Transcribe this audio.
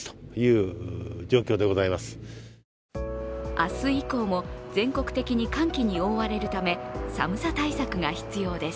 明日以降も全国的に寒気に覆われるため、寒さ対策が必要です。